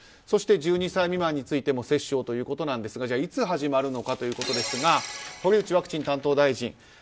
そして、１２歳未満についても接種をということですがいつ始まるのかですが堀内ワクチン接種担当大臣